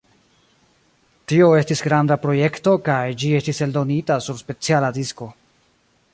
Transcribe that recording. Tio estis granda projekto kaj ĝi estis eldonita sur speciala disko.